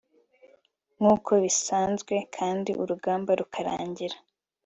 nkuko bisanzwe kandi urugamba rukarangira